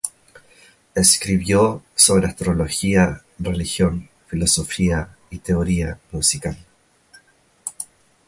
Escribió sobre astrología, religión, filosofía y teoría musical.